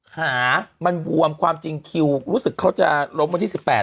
ขามันบวมความจริงคิวรู้สึกเขาจะล้มมาที่สิบแปด